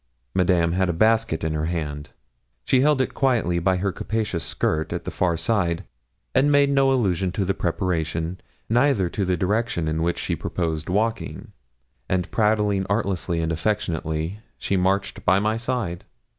Madame had a basket in her hand. She held it quietly by her capacious skirt, at the far side, and made no allusion to the preparation, neither to the direction in which she proposed walking, and prattling artlessly and affectionately she marched by my side.